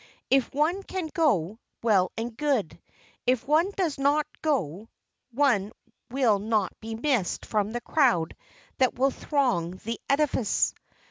If one can go, well and good. If one does not go one will not be missed from the crowd that will throng the edifice.